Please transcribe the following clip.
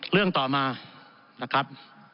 เรื่องต่อมานะครับ